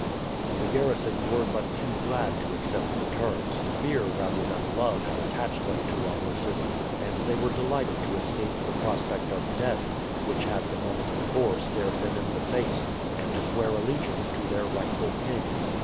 The garrison were but too glad to accept the terms. Fear rather than love had attached them to Amusis; and they were delighted to escape the prospect of death, which had the moment before stared them in the face, and to swear allegiance to their rightful king.